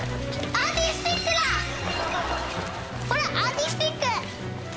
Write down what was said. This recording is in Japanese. アーティスティック！